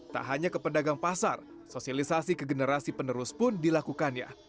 tak hanya ke pedagang pasar sosialisasi ke generasi penerus pun dilakukannya